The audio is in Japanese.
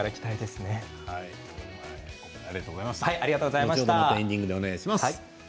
またエンディングでお願いします。